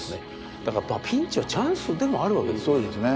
だからピンチはチャンスでもあるわけですね。